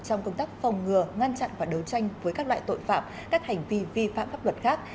trong công tác phòng ngừa ngăn chặn và đấu tranh với các loại tội phạm các hành vi vi phạm pháp luật khác